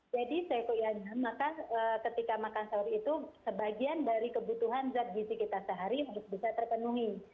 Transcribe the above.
seekor maka ketika makan sahur itu sebagian dari kebutuhan zat gizi kita sehari harus bisa terpenuhi